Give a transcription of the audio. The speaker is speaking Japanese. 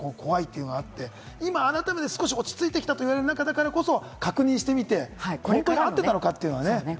コロナが怖いってのがあって、今、改めて少し落ち着いてきたと言われる中だからこそ、確認してみて、合ってたのかっていう。